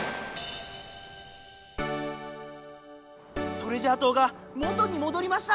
トレジャー島が元にもどりました！